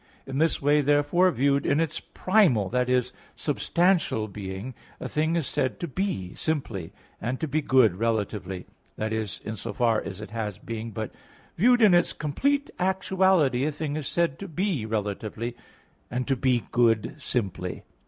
In this way, therefore, viewed in its primal (i.e. substantial) being a thing is said to be simply, and to be good relatively (i.e. in so far as it has being) but viewed in its complete actuality, a thing is said to be relatively, and to be good simply.